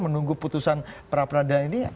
menunggu putusan pra peradilan ini